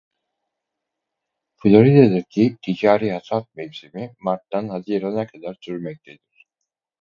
Florida'daki ticari hasat mevsimi Mart'tan Haziran'a kadar sürmektedir.